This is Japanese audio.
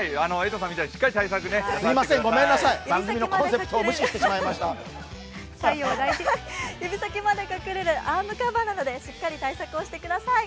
指先まで隠れるアームカバーなどでしっかり対策をしてください。